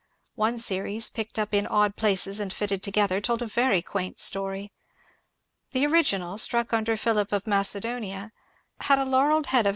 One series — picked up in odd places and fitted together — told a very quaint story. The original, struck under Philip of Macedon, had a laurelled head of Her* VOL.